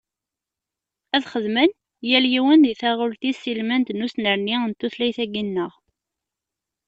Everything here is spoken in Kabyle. Ad xedmen, yal yiwen di taɣult-is ilmend n usnerni n tutlayt-agi-nneɣ.